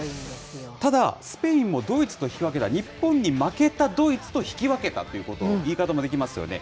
ただ、スペインもドイツと引き分けた、日本に負けたドイツと引き分けたってこと、言い方もできますよね。